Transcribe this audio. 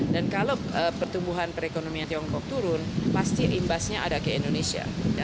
dan kalau pertumbuhan perekonomian tiongkok turun pasti imbasnya ada ke indonesia